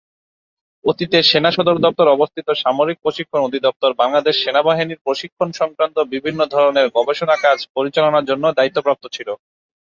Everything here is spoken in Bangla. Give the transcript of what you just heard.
অতীতে, সেনা সদর দপ্তরে অবস্থিত সামরিক প্রশিক্ষণ অধিদপ্তর বাংলাদেশ সেনাবাহিনীর প্রশিক্ষণ সংক্রান্ত বিভিন্ন ধরনের গবেষণা কাজ পরিচালনার জন্য দায়িত্বপ্রাপ্ত ছিল।